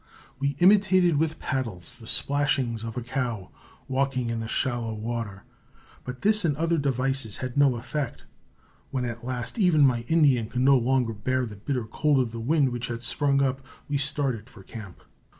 We imitated with paddles the splashings of a cow walking in the shallow water, but this and other devices had no effect. When at last even my Indian could no longer bear the bitter cold of the wind which had sprung up, we started for camp.